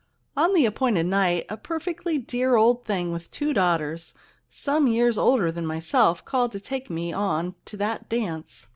On the appointed night a perfectly dear old thing with two daughters some years older than myself called to take me on to that dance.